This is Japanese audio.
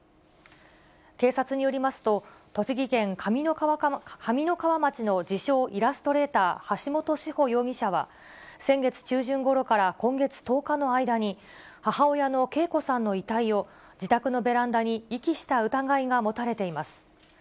警察によりますと、栃木県上三川町の自称イラストレーター、橋本志穂容疑者は、先月中旬ごろから今月１０日の間に、母親の啓子さんの遺体を自宅のベランダに遺棄した疑いが持たれています。